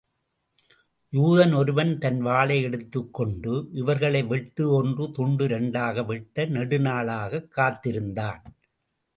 யூதன் ஒருவன் தன் வாளை எடுத்துக் கொண்டு இவர்களை வெட்டு ஒன்று, துண்டு இரண்டாக வெட்ட நெடுநாளாகக் காத்திருந்தான்.